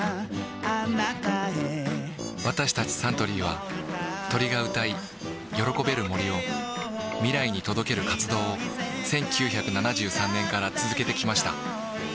私たちサントリーは鳥が歌い喜べる森を未来に届ける活動を１９７３年から続けてきました